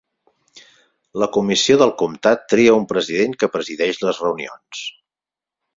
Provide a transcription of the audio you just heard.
La comissió del comtat tria un president que presideix les reunions.